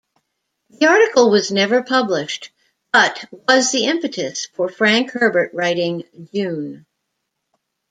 The article was never published, but was the impetus for Frank Herbert writing "Dune".